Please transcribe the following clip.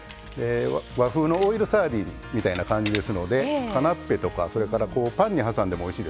和風のオイルサーディンみたいな感じですのでカナッペとかそれからパンに挟んでもおいしいです。